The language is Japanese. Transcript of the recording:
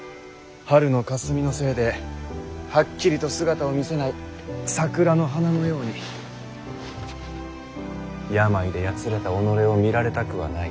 春の霞のせいではっきりと姿を見せない桜の花のように病でやつれた己を見られたくはない。